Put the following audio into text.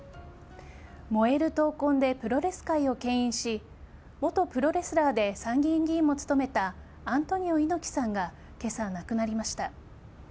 燃える闘魂でプロレス界をけん引し元プロレスラーで参議院議員も務めたアントニオ猪木さんが今朝、亡くなりました。